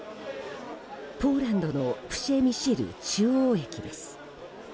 ポーランドのプシェミシル中央駅です。